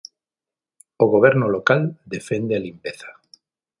O Goberno local defende a limpeza.